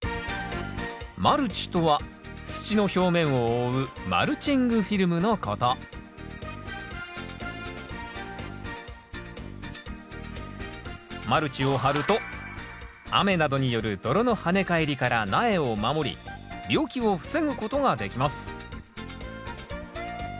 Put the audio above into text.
マルチとは土の表面を覆うマルチングフィルムのことマルチを張ると雨などによる泥のはね返りから苗を守り病気を防ぐことができます